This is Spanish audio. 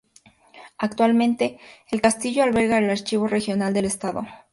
Actualmente, el castillo alberga el archivo regional del estado.